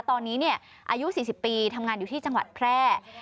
ตอนนี้อายุ๔๐ปีทำงานอยู่ที่จังหวัดแพร่